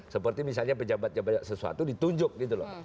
seperti misalnya pejabat pejabat sesuatu ditunjuk gitu loh